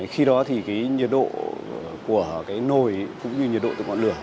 khi đó thì cái nhiệt độ của cái nồi cũng như nhiệt độ từ ngọn lửa